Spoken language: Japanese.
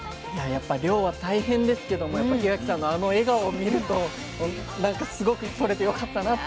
やっぱ漁は大変ですけども檜垣さんのあの笑顔を見るとすごくとれてよかったなって思いました。